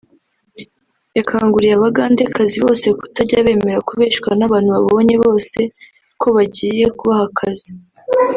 yakanguriye Abagandekazi bose kutajya bemera kubeshywa n’abantu babonye bose ko bagiye kubaha akazi